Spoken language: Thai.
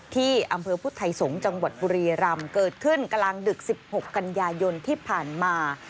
ที่อำเภอพุทธไทยสงศ์จังหวัดบุรีรำเกิดขึ้นกลางดึก๑๖กันยายนที่ผ่านมา